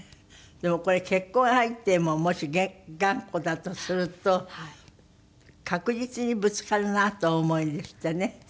でもこれ結婚相手ももし頑固だとすると確実にぶつかるなとお思いですってね。